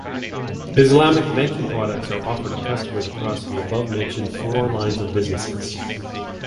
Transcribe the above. Islamic banking products are offered to customers across the above-mentioned four lines of businesses.